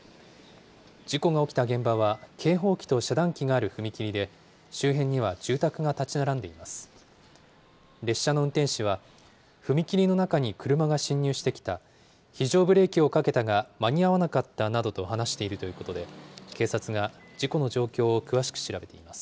事故が起きた現場は、警報器と遮断機がある踏切で、周辺には住宅が建ち並んでいます。